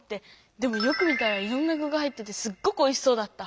でもよく見たらいろんな具が入っててすっごくおいしそうだった！